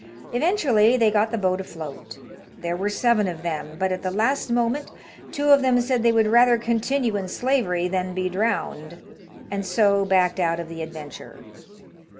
Eventually they got the boat afloat. There were seven of them; but, at the last moment, two of them said they would rather continue in slavery than be drowned, and so backed out of the adventure.